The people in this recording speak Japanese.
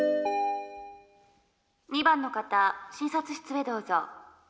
「２番の方診察室へどうぞ」。